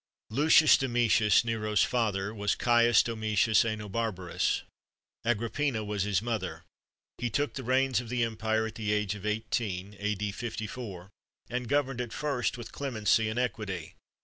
Lucius Domitius Nero's father was Caius Domitius Ænobarbus; Agrippina was his mother. He took the reins of the empire at the age of eighteen (A.D. 54), and governed at first with clemency and equity.